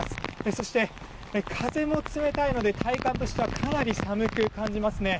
そして、風も冷たいので体感としてはかなり寒く感じますね。